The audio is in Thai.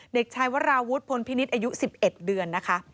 เด็กชายวราวุฒิพลพินิษฐ์อายุ๑๑เดือนนะคะ